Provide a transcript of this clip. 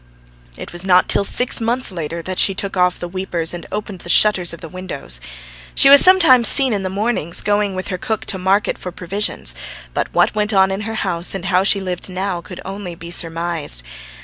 It was not till six months later that she took off the weepers and opened the shutters of the windows. She was sometimes seen in the mornings, going with her cook to market for provisions, but what went on in her house and how she lived now could only be surmised.